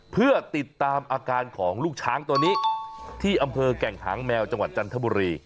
เพื่อติดตามอาการของลูกช้างตัวนี้ที่อำเภอแก่งหางแมวจังหวัดจันทบุรี